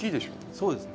そうですね。